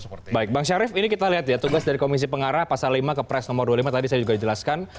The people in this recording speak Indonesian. baik bang syarif ini kita lihat ya tugas dari komisi pengarah pasal lima ke press nomor dua puluh lima tadi saya juga jelaskan